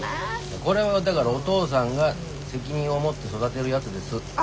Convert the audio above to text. これはだからおとうさんが責任を持って育てるやつです。